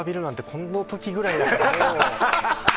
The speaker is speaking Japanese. この時ぐらいだから。